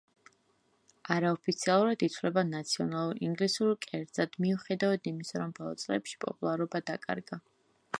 არაოფიციალურად, ითვლება ნაციონალურ ინგლისურ კერძად, მიუხედავად იმისა, რომ ბოლო წლებში პოპულარობა დაკარგა.